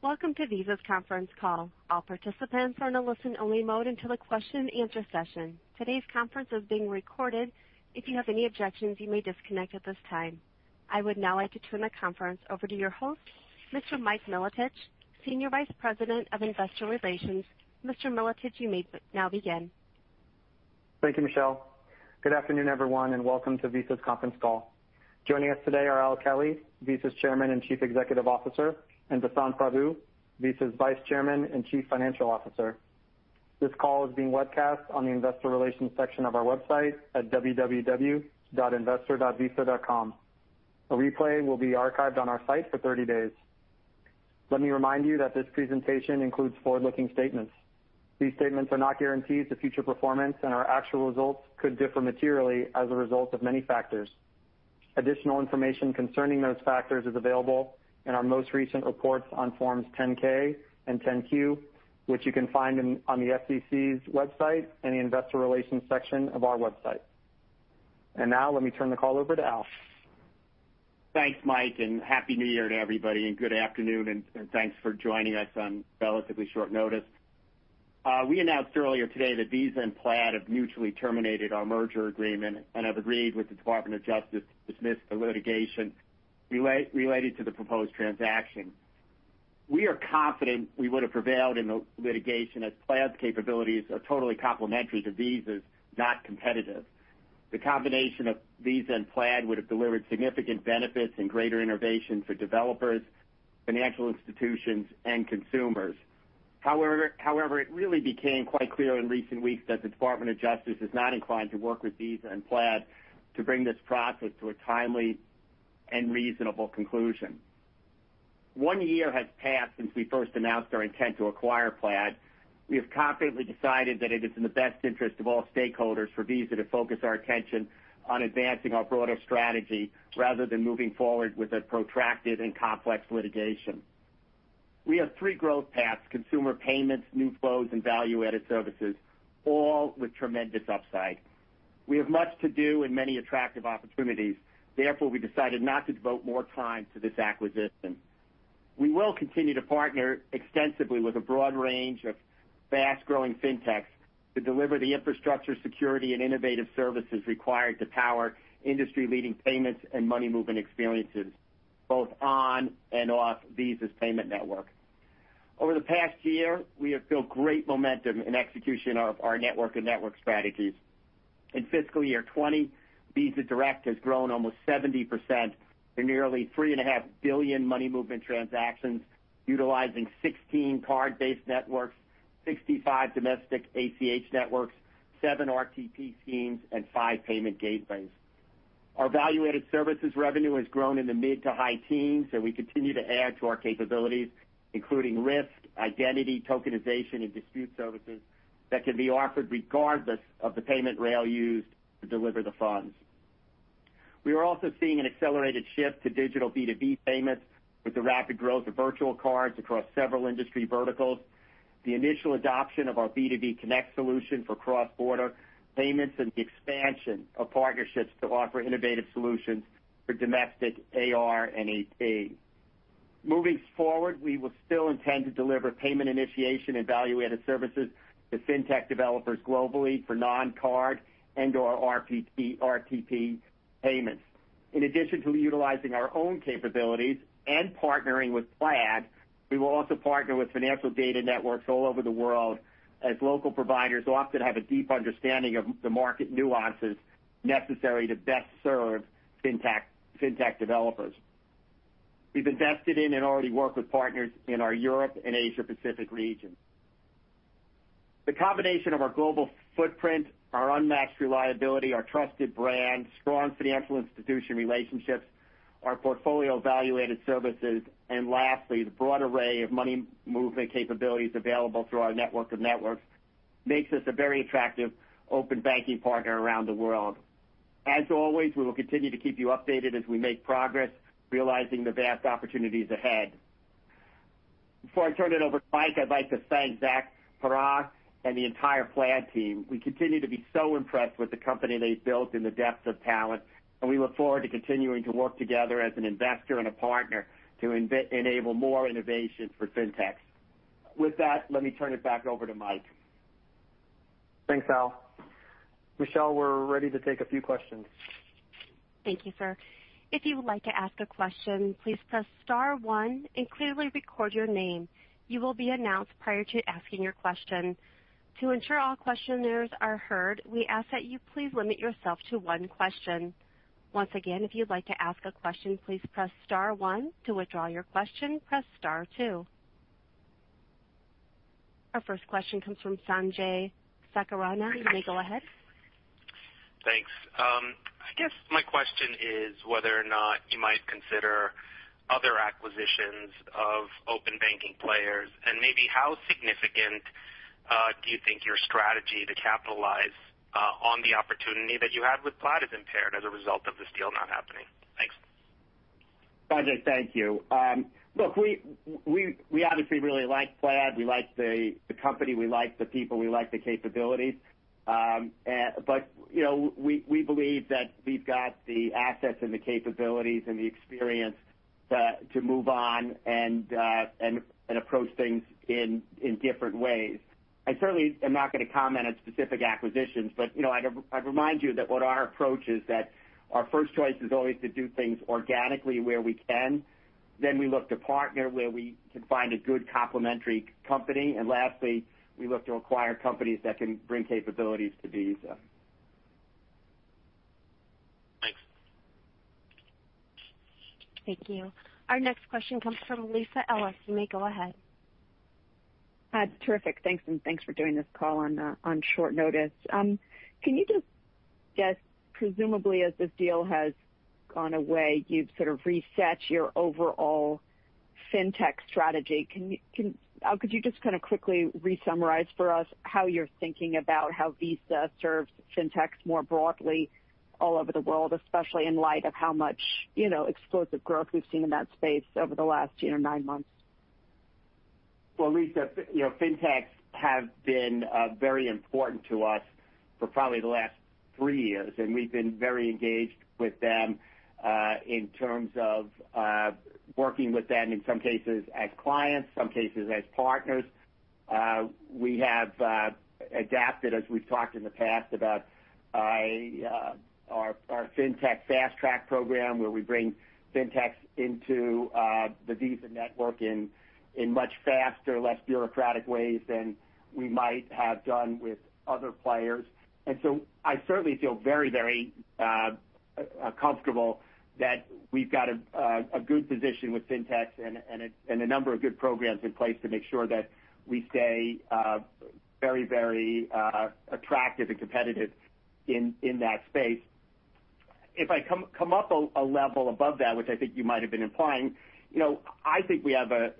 Welcome to Visa's Conference Call. All participants are in a listen-only mode until the question-and-answer session. Today's conference is being recorded. If you have any objections, you may disconnect at this time. I would now like to turn the conference over to your host, Mr. Mike Milotich, Senior Vice President of Investor Relations. Mr. Milotich, you may now begin. Thank you, Michelle. Good afternoon, everyone, and welcome to Visa's conference call. Joining us today are Al Kelly, Visa's Chairman and Chief Executive Officer, and Vasant Prabhu, Visa's Vice Chairman and Chief Financial Officer. This call is being webcast on the investor relations section of our website at www.investor.visa.com. A replay will be archived on our site for 30 days. Let me remind you that this presentation includes forward-looking statements. These statements are not guarantees of future performance, and our actual results could differ materially as a result of many factors. Additional information concerning those factors is available in our most recent reports on forms 10-K and 10-Q, which you can find on the SEC's website and the investor relations section of our website. Now let me turn the call over to Al. Thanks, Mike. Happy New Year to everybody and good afternoon, and thanks for joining us on relatively short notice. We announced earlier today that Visa and Plaid have mutually terminated our merger agreement and have agreed with the Department of Justice to dismiss the litigation related to the proposed transaction. We are confident we would have prevailed in the litigation as Plaid's capabilities are totally complementary to Visa's, not competitive. The combination of Visa and Plaid would have delivered significant benefits and greater innovation for developers, financial institutions, and consumers. However, it really became quite clear in recent weeks that the Department of Justice is not inclined to work with Visa and Plaid to bring this process to a timely and reasonable conclusion. One year has passed since we first announced our intent to acquire Plaid. We have confidently decided that it is in the best interest of all stakeholders for Visa to focus our attention on advancing our broader strategy rather than moving forward with a protracted and complex litigation. We have three growth paths, consumer payments, new flows, and value-added services, all with tremendous upside. We have much to do and many attractive opportunities. Therefore, we decided not to devote more time to this acquisition. We will continue to partner extensively with a broad range of fast-growing fintechs to deliver the infrastructure, security, and innovative services required to power industry-leading payments and money movement experiences, both on and off Visa's payment network. Over the past year, we have built great momentum in execution of our network of networks strategies. In fiscal year 2020, Visa Direct has grown almost 70% to nearly $3.5 billion money movement transactions, utilizing 16 card-based networks, 65 domestic ACH networks, seven RTP schemes, and five payment gateways. Our value-added services revenue has grown in the mid to high teens, and we continue to add to our capabilities, including risk, identity, tokenization, and dispute services that can be offered regardless of the payment rail used to deliver the funds. We are also seeing an accelerated shift to digital B2B payments with the rapid growth of virtual cards across several industry verticals, the initial adoption of our B2B Connect solution for cross-border payments, and the expansion of partnerships to offer innovative solutions for domestic AR and AP. Moving forward, we will still intend to deliver payment initiation and value-added services to fintech developers globally for non-card and/or RTP payments. In addition to utilizing our own capabilities and partnering with Plaid, we will also partner with financial data networks all over the world, as local providers often have a deep understanding of the market nuances necessary to best serve fintech developers. We've invested in and already work with partners in our Europe and Asia Pacific region. The combination of our global footprint, our unmatched reliability, our trusted brand, strong financial institution relationships, our portfolio of value-added services, and lastly, the broad array of money movement capabilities available through our network of networks, makes us a very attractive open banking partner around the world. As always, we will continue to keep you updated as we make progress realizing the vast opportunities ahead. Before I turn it over to Mike, I'd like to thank Zach Perret, and the entire Plaid team. We continue to be so impressed with the company they've built and the depth of talent. We look forward to continuing to work together as an investor and a partner to enable more innovation for fintechs. With that, let me turn it back over to Mike. Thanks, Al. Michelle, we're ready to take a few questions. Thank you, sir. If you would like to ask a question, please press star one and clearly record your name. You will be announced prior to asking your question. To ensure all questioners are heard, we ask that you please limit yourself to one question. Once again, if you would like to ask a question, please press star one. To withdraw your question, press star two. Our first question comes from Sanjay Sakhrani. You may go ahead. Thanks. I guess my question is whether or not you might consider other acquisitions of open banking players, and maybe how significant, do you think your strategy to capitalize on the opportunity that you have with Plaid is impaired as a result of this deal not happening? Thanks. Sanjay, thank you. Look, we obviously really like Plaid. We like the company. We like the people. We like the capabilities. We believe that we've got the assets and the capabilities and the experience to move on and approach things in different ways. I certainly am not going to comment on specific acquisitions, but I'd remind you that what our approach is that our first choice is always to do things organically where we can. We look to partner where we can find a good complementary company. Lastly, we look to acquire companies that can bring capabilities to Visa. Thanks. Thank you. Our next question comes from Lisa Ellis. You may go ahead. Terrific. Thanks, thanks for doing this call on short notice. Can you just presumably, as this deal has gone away, you've sort of reset your overall fintech strategy? Could you just kind of quickly re-summarize for us how you're thinking about how Visa serves fintechs more broadly all over the world, especially in light of how much explosive growth we've seen in that space over the last eight or nine months? Well, Lisa, fintechs have been very important to us for probably the last three years, and we've been very engaged with them in terms of working with them, in some cases as clients, some cases as partners. We have adapted, as we've talked in the past about our Fintech Fast Track program, where we bring fintechs into the Visa network in much faster, less bureaucratic ways than we might have done with other players. I certainly feel very comfortable that we've got a good position with fintechs and a number of good programs in place to make sure that we stay very attractive and competitive in that space. If I come up a level above that, which I think you might have been implying, I think we have a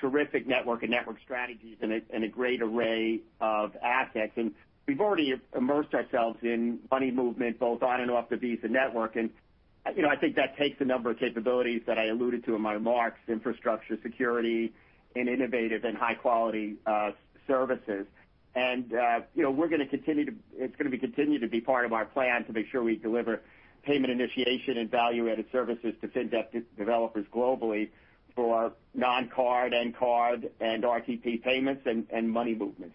terrific network of networks strategies and a great array of assets, and we've already immersed ourselves in money movement, both on and off the Visa network. I think that takes a number of capabilities that I alluded to in my remarks, infrastructure, security, and innovative and high-quality services. It's going to continue to be part of our plan to make sure we deliver payment initiation and value-added services to fintech developers globally for non-card and card and RTP payments and money movement.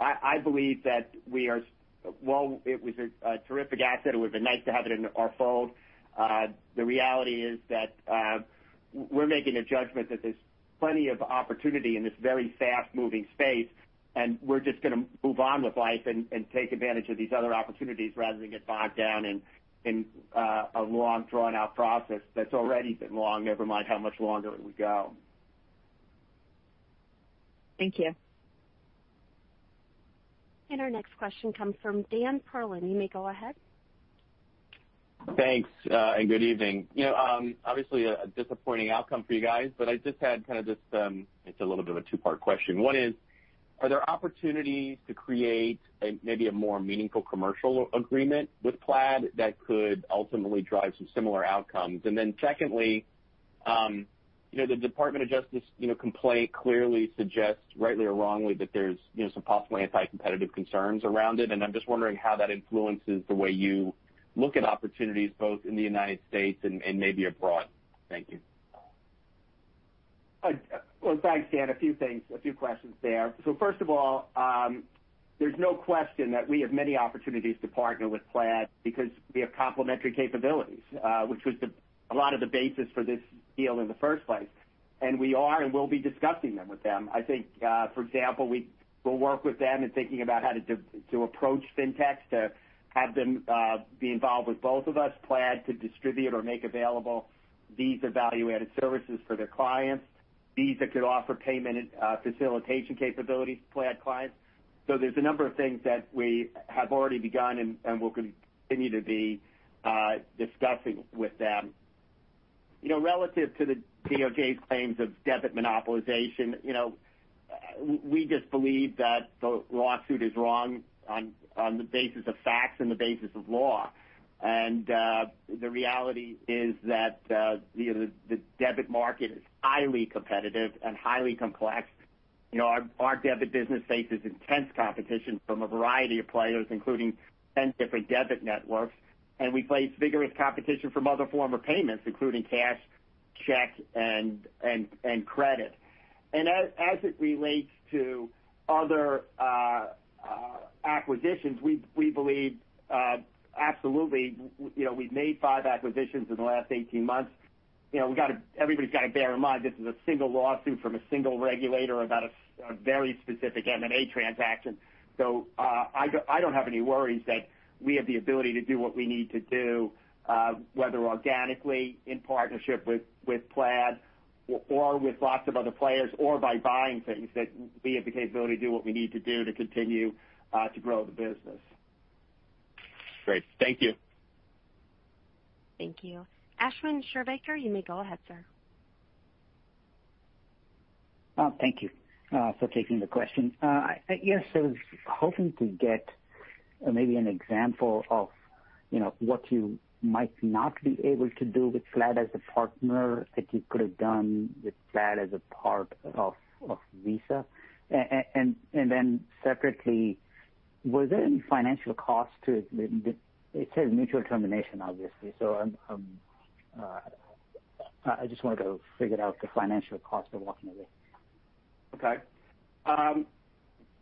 I believe that while it was a terrific asset, it would have been nice to have it in our fold. The reality is that we're making a judgment that there's plenty of opportunity in this very fast-moving space, and we're just going to move on with life and take advantage of these other opportunities rather than get bogged down in a long, drawn-out process that's already been long. Never mind how much longer it would go. Thank you. Our next question comes from Dan Perlin. You may go ahead. Thanks, and good evening. Obviously a disappointing outcome for you guys, but I just had a little bit of a two-part question. One is, are there opportunities to create maybe a more meaningful commercial agreement with Plaid that could ultimately drive some similar outcomes? Then secondly, the Department of Justice complaint clearly suggests, rightly or wrongly, that there's some possibly anti-competitive concerns around it, and I'm just wondering how that influences the way you look at opportunities both in the United States and maybe abroad. Thank you. Well, thanks, Dan. A few things, a few questions there. First of all, there's no question that we have many opportunities to partner with Plaid because we have complementary capabilities, which was a lot of the basis for this deal in the first place. We are, and will be discussing them with them. I think, for example, we'll work with them in thinking about how to approach fintechs, to have them be involved with both of us. Plaid to distribute or make available Visa value-added services for their clients. Visa could offer payment facilitation capabilities to Plaid clients. There's a number of things that we have already begun and will continue to be discussing with them. Relative to the DOJ's claims of debit monopolization, we just believe that the lawsuit is wrong on the basis of facts and the basis of law. The reality is that the debit market is highly competitive and highly complex. Our debit business faces intense competition from a variety of players, including 10 different debit networks, and we face vigorous competition from other forms of payments, including cash, check, and credit. As it relates to other acquisitions, we believe absolutely. We've made five acquisitions in the last 18 months. Everybody's got to bear in mind, this is a single lawsuit from a single regulator about a very specific M&A transaction. I don't have any worries that we have the ability to do what we need to do, whether organically in partnership with Plaid or with lots of other players, or by buying things, that we have the capability to do what we need to do to continue to grow the business. Great. Thank you. Thank you. Ashwin Shirvaikar, you may go ahead, sir. Thank you for taking the question. Yes, I was hoping to get maybe an example of what you might not be able to do with Plaid as a partner that you could have done with Plaid as a part of Visa. Then separately, was there any financial cost to it? It says mutual termination, obviously. I just wanted to figure out the financial cost of walking away. Okay.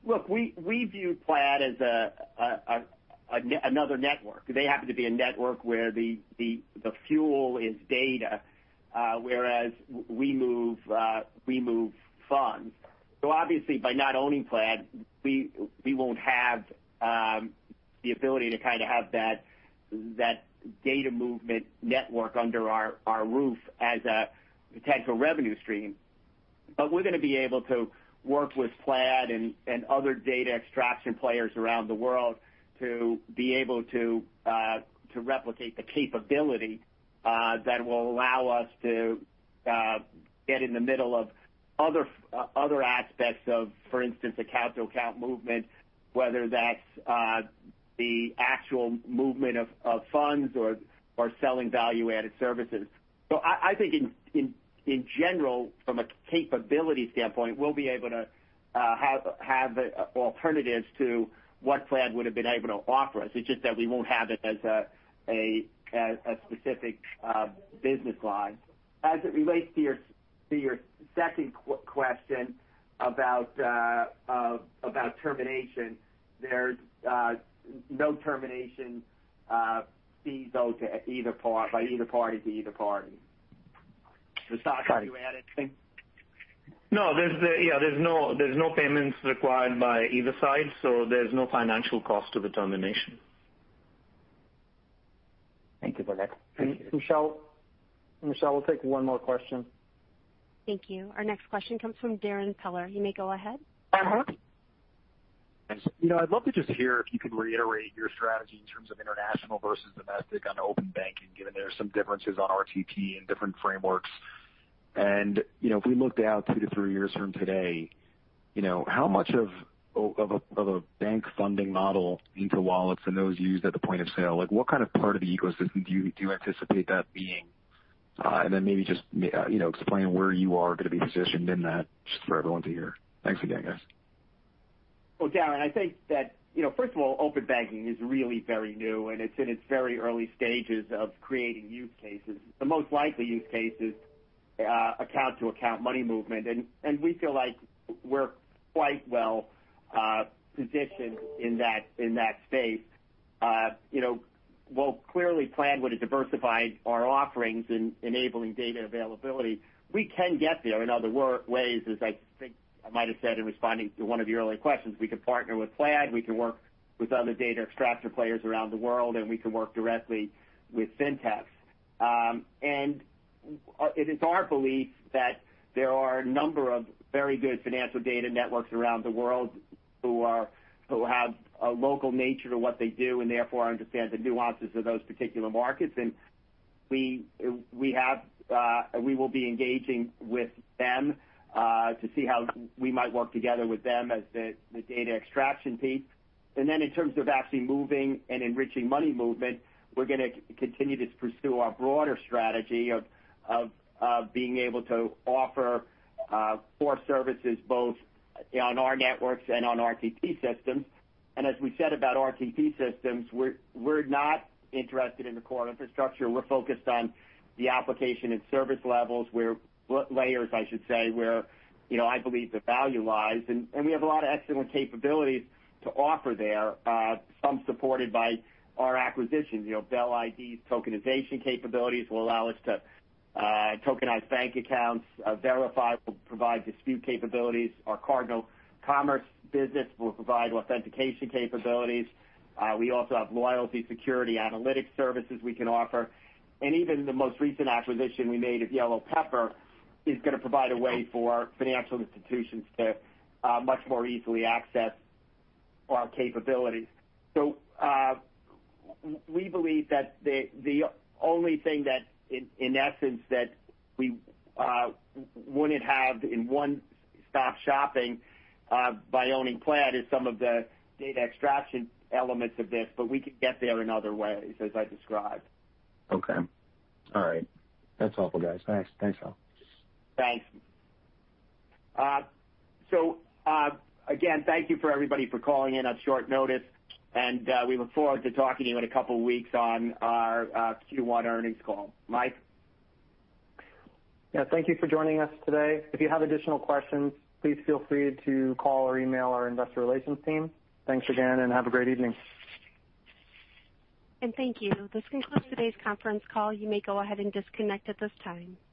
Look, we view Plaid as another network. They happen to be a network where the fuel is data whereas we move funds. Obviously by not owning Plaid, we won't have the ability to have that data movement network under our roof as a potential revenue stream. We're going to be able to work with Plaid and other data extraction players around the world to be able to replicate the capability that will allow us to get in the middle of other aspects of, for instance, account-to-account movement, whether that's the actual movement of funds or selling value-added services. I think in general, from a capability standpoint, we'll be able to have alternatives to what Plaid would've been able to offer us. It's just that we won't have it as a specific business line. As it relates to your second question about termination, there's no termination fees owed by either party to either party. Vasant, do you want to add anything? No. There's no payments required by either side, so there's no financial cost to the termination. Thank you for that. Thank you. Michelle? Michelle, we'll take one more question. Thank you. Our next question comes from Darrin Peller. You may go ahead. Thanks. I'd love to just hear if you could reiterate your strategy in terms of international versus domestic on open banking, given there are some differences on RTP and different frameworks. If we looked out two to three years from today, how much of a bank funding model into wallets and those used at the point of sale, like what kind of part of the ecosystem do you anticipate that being? Then maybe just explain where you are going to be positioned in that, just for everyone to hear. Thanks again, guys. Darrin, I think that first of all, open banking is really very new and it's in its very early stages of creating use cases. The most likely use case is account-to-account money movement, and we feel like we're quite well positioned in that space. While clearly Plaid would've diversified our offerings in enabling data availability, we can get there in other ways, as I think I might've said in responding to one of the earlier questions. We can partner with Plaid, we can work with other data extraction players around the world, and we can work directly with fintechs. It is our belief that there are a number of very good financial data networks around the world who have a local nature to what they do, and therefore understand the nuances of those particular markets. We will be engaging with them to see how we might work together with them as the data extraction piece. In terms of actually moving and enriching money movement, we're going to continue to pursue our broader strategy of being able to offer core services both on our networks and on RTP systems. As we said about RTP systems, we're not interested in the core infrastructure. We're focused on the application and service layers, where I believe the value lies. We have a lot of excellent capabilities to offer there, some supported by our acquisitions. Bell ID's tokenization capabilities will allow us to tokenize bank accounts. Verifi will provide dispute capabilities. Our CardinalCommerce business will provide authentication capabilities. We also have loyalty security analytics services we can offer. Even the most recent acquisition we made of YellowPepper is going to provide a way for financial institutions to much more easily access our capabilities. We believe that the only thing that in essence that we wouldn't have in one-stop shopping by owning Plaid is some of the data extraction elements of this, but we could get there in other ways, as I described. Okay. All right. That's helpful guys. Thanks. Thanks. Again, thank you for everybody for calling in on short notice, and we look forward to talking to you in a couple of weeks on our Q1 earnings call. Mike? Yeah. Thank you for joining us today. If you have additional questions, please feel free to call or email our investor relations team. Thanks again and have a great evening. Thank you. This concludes today's conference call. You may go ahead and disconnect at this time.